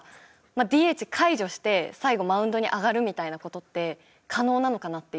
ＤＨ解除して最後マウンドに上がるみたいな事って可能なのかなっていう。